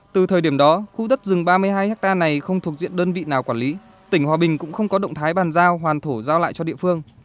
từ thời điểm đó khu đất rừng ba mươi hai hectare này không thuộc diện đơn vị nào quản lý tỉnh hòa bình cũng không có động thái bàn giao hoàn thổ giao lại cho địa phương